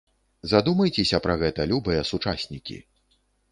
Задумайцеся пра гэта, любыя сучаснікі!